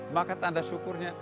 maka tanda syukurnya